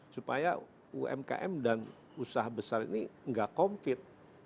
supaya umkm dan usaha besar ini enggak konfit